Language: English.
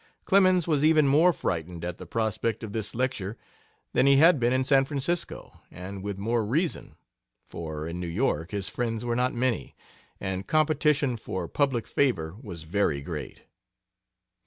Clemens was even more frightened at the prospect of this lecture than he had been in San Francisco, and with more reason, for in New York his friends were not many, and competition for public favor was very great.